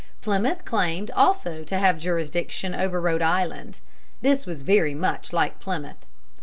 Plymouth claimed also to have jurisdiction over Rhode Island. This was very much like Plymouth.